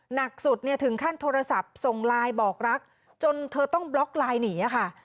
หนักสุดเนี่ยถึงขั้นโทรศัพท์ส่งไลน์บอกรักจนเธอต้องบล็อกไลน์หนีค่ะ